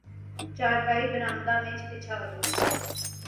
چارپائی برآمدہ میں بچھا دو